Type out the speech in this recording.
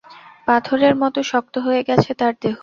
পাথরের মতো শক্ত হয়ে গেছে তার দেহ।